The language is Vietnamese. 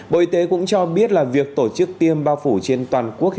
bộ y tế cũng cho biết là việc tổ chức tiêm bao phủ trên toàn quốc